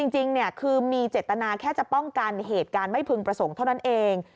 จริงคือมีเจตนาแค่จะป้องกันเหตุการณ์ไม่พึงประสงค์เท่านั้นเอง